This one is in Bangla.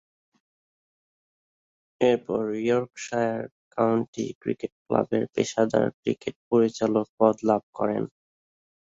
এরপর ইয়র্কশায়ার কাউন্টি ক্রিকেট ক্লাবের পেশাদার ক্রিকেট পরিচালকের পদ লাভ করেন।